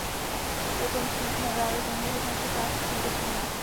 Proto musíme i nadále zaměřit naši práci tímto směrem.